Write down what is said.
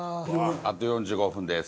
あと４５分です。